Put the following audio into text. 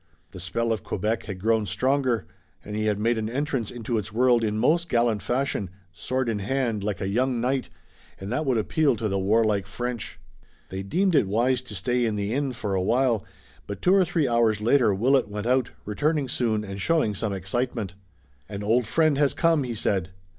The spell of Quebec had grown stronger, and he had made an entrance into its world in most gallant fashion, sword in hand, like a young knight, and that would appeal to the warlike French. They deemed it wise to stay in the inn for a while, but two or three hours later Willet went out, returning soon, and showing some excitement. "An old friend has come," he said.